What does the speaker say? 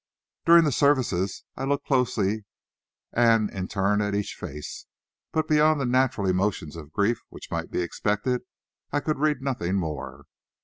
During the services I looked closely and in turn at each face, but beyond the natural emotions of grief which might be expected, I could read nothing more.